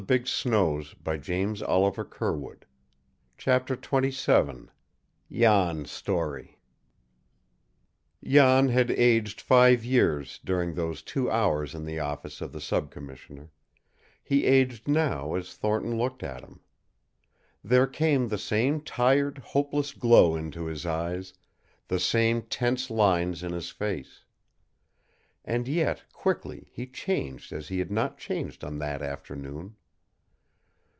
Sit down, m'sieur." CHAPTER XXVII JAN'S STORY Jan had aged five years during those two hours in the office of the sub commissioner; he aged now as Thornton looked at him. There came the same tired, hopeless glow into his eyes, the same tense lines in his face. And yet, quickly, he changed as he had not changed on that afternoon.